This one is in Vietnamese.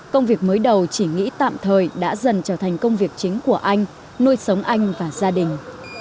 công việc mới đầu chỉ nghĩ tạm thời đã dần trở thành công việc chính của anh nuôi sống anh và gia đình